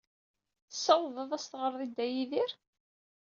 Tessawḍeḍ ad as-teɣreḍ i Dda Yidir?